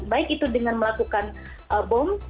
baik itu dengan melakukan teror baik itu dengan melakukan pergerakan